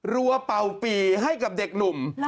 รัวเป่าปีให้กับเด็กหนุ่ม